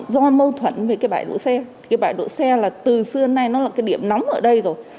do mâu thuẫn về cái bãi đỗ xe cái bãi đỗ xe là từ xưa nay nó là cái điểm nóng ở đây rồi